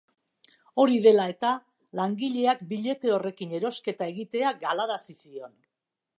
Hori dela eta, langileak billete horrekin erosketa egitea galarazi zion.